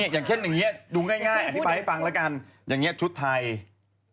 อย่างแค่นี้ดูง่ายอธิบายให้ฟังละกันอย่างนี้ชุดไทย